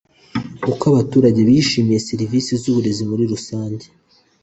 Uko abaturage bishimiye serivisi z’uburezi muri rusange.